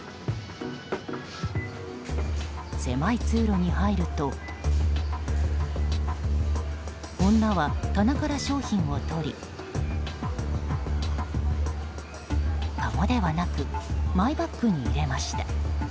狭い通路に入ると女は棚から商品を取りかごではなくマイバッグに入れました。